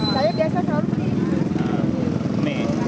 saya biasa selalu pergi